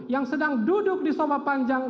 yang sedang duduk di soma panjang